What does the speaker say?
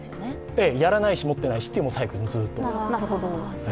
ええ、やらないし持ってないしというサイクルで。